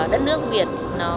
đất nước việt